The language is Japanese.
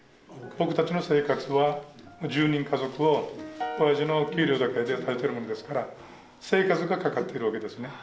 僕たちの生活は１０人家族をおやじの給料だけでやっているもんですから生活がかかっているわけですね。